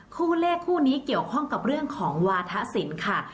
คู่เลขคู่นี้เกี่ยวข้องกับเรื่องของวาธศิลป์ค่ะ